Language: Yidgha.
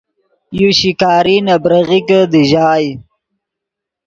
یو شکاری نے بریغیکے دیژائے